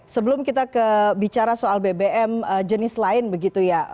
sebelum kita kebicara soal bpm jenis lain begitu ya